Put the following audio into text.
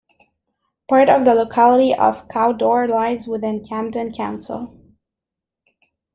Part of the locality of Cawdor lies within Camden Council.